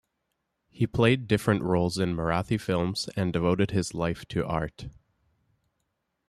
He played different roles in Marathi films and devoted his life to art.